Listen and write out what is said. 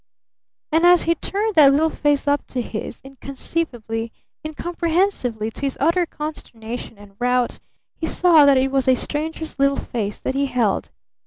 "] And as he turned that little face up to his, inconceivably incomprehensively to his utter consternation and rout he saw that it was a stranger's little face that he held.